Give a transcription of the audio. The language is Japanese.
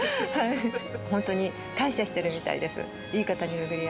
本当に感謝してるみたいです。